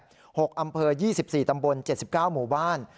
๖อำเภอ๒๔ตำบล๗๙หมู่บ้าน